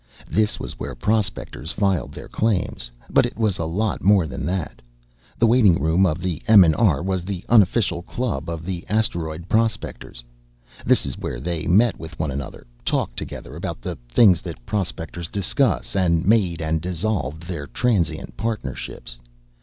This was where prospectors filed their claims, but it was a lot more than that. The waiting room of M&R was the unofficial club of the asteroid prospectors. This is where they met with one another, talked together about the things that prospectors discuss, and made and dissolved their transient partnerships.